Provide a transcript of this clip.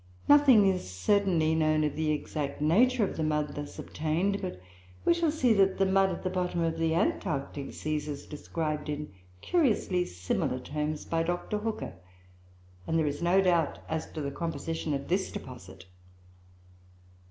Nothing is certainly known of the exact nature of the mud thus obtained, but we shall see that the mud of the bottom of the Antarctic seas is described in curiously similar terms by Dr. Hooker, and there is no doubt as to the composition of this deposit.